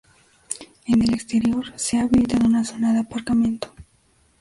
En el exterior se ha habilitado una zona de aparcamiento.